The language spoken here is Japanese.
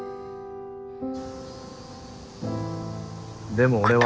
でも俺は。